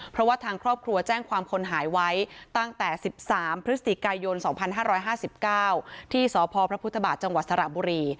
เพราะว่าทางครอบครัวแจ้งความคนหายไว้ตั้งแต่๑๓พฤศิกายน๒๕๕๙ที่สพพจสระบุรี